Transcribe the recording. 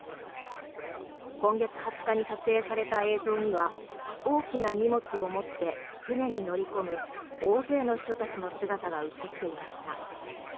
今月２０日に撮影された映像には大きな荷物を持って船に乗り込む大勢の人たちの姿が映っていました。